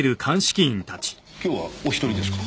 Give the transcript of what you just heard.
今日はお１人ですか？